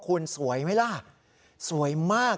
คุณสวยไหมล่ะสวยมาก